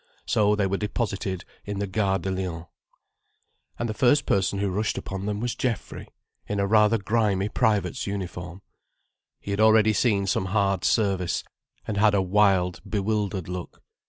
So they were deposited in the Gare de Lyon. And the first person who rushed upon them was Geoffrey, in a rather grimy private's uniform. He had already seen some hard service, and had a wild, bewildered look.